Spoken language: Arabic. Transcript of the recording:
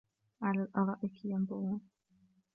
عَلَى الْأَرَائِكِ يَنْظُرُونَ